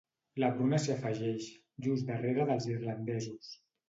La Bruna s'hi afegeix, just darrere dels irlandesos.